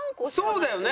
そうだよね！